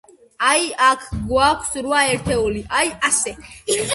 აი, აქ გვაქვს რვა ერთეული, აი, ასე.